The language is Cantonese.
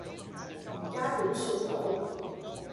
而家點算好